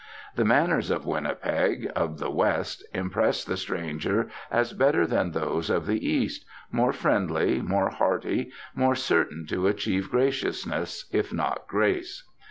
The manners of Winnipeg, of the West, impress the stranger as better than those of the East, more friendly, more hearty, more certain to achieve graciousness, if not grace.